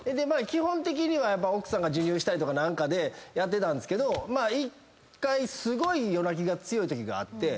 基本的には奥さんが授乳したりやってたんですけど１回すごい夜泣きが強いときがあって。